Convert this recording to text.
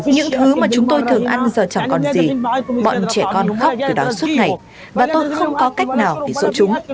những thứ mà chúng tôi thường ăn giờ chẳng còn gì bọn trẻ con khóc từ đó suốt ngày và tôi không có cách nào để rỗ chúng